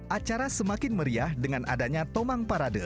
acara semakin meriah dengan adanya tomang parade